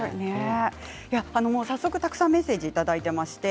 早速たくさんメッセージいただいています。